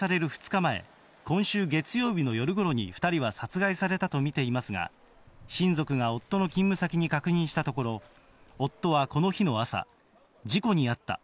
２日前、今週月曜日の夜ごろに２人は殺害されたと見ていますが、親族が夫の勤務先に確認したところ、夫はこの日の朝、事故に遭った。